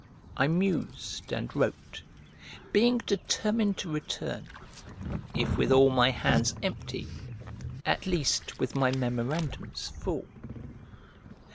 I mused and wrote, being determined to return, if with all my hands empty, at least with my memorandums full.